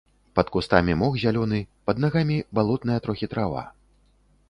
Пад кустамі мох зялёны, пад нагамі балотная трохі трава.